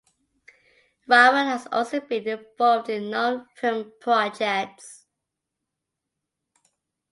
Rahman has also been involved in non-film projects.